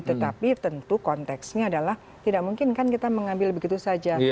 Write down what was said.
tetapi tentu konteksnya adalah tidak mungkin kan kita mengambil begitu saja